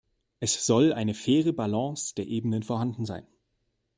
Es soll eine faire Balance der Ebenen vorhanden sein.